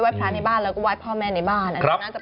ไหว้พระในบ้านแล้วก็ไหว้พ่อแม่ในบ้าน